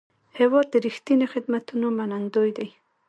هېواد د رښتیني خدمتونو منندوی دی.